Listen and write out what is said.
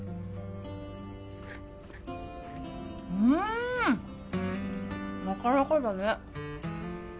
うんなかなかだね